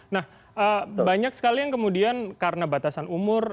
nah banyak sekali yang kemudian karena batasan umur